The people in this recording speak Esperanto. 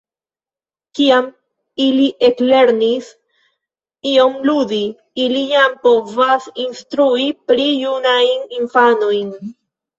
Kiam ili eklernis iom ludi, ili jam povas instrui pli junajn infanojn.